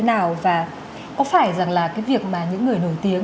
thế nào và có phải rằng là cái việc mà những người nổi tiếng